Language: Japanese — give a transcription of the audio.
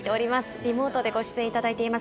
リモートでご出演いただいております。